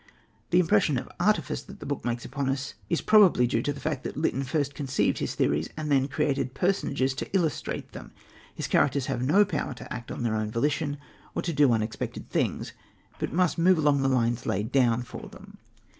The impression of artifice that the book makes upon us is probably due to the fact that Lytton first conceived his theories and then created personages to illustrate them. His characters have no power to act of their own volition or to do unexpected things, but must move along the lines laid down for them.